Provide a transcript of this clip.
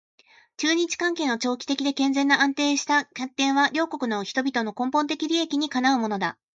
中日関係の長期的で健全な安定した発展は両国の人々の根本的利益にかなうものだ